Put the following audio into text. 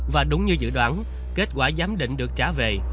và đúng như dự đoán kết quả giám định được trả về